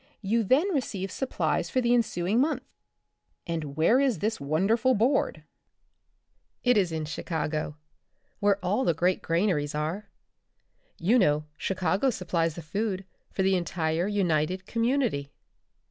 You then receive supplies for the ensuing month. " And where is this wonderful board ?It is in Chicago, where all the great gran aries are. You know Chicago supplies the food for the entire United Community.